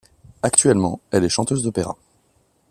Actuellement, elle est chanteuse d'opéra.